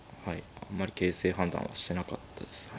あんまり形勢判断はしてなかったです。